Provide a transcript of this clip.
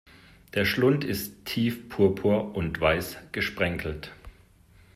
Der Schlund ist tief purpur und weiß gesprenkelt.